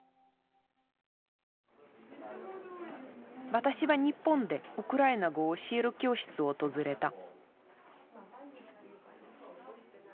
私は日本でウクライナ語を教える教室を訪れた。